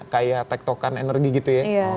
kayak tektokan energi gitu ya